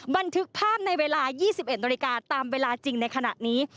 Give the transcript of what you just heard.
บันทึกภาพในเวลา๒๑นาฬิกาตามเวลาจริงในขณะนี้